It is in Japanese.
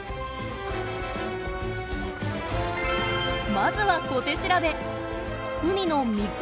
まずは小手調べ。